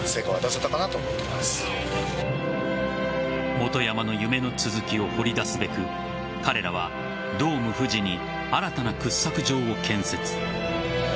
本山の夢の続きを掘り出すべく彼らはドームふじに新たな掘削場を建設。